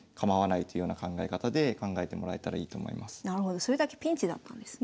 なるほどそれだけピンチだったんですね。